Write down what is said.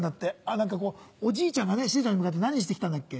何かこうおじいちゃんがねしずちゃんに向かって何して来たんだっけ？